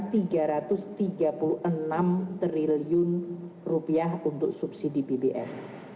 rp tiga ratus tiga puluh enam triliun rupiah untuk subsidi bbm